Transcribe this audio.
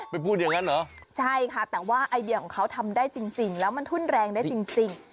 พูดอย่างนั้นเหรอใช่ค่ะแต่ว่าไอเดียของเขาทำได้จริงแล้วมันทุ่นแรงได้จริง